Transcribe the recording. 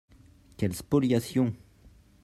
Quelle spoliation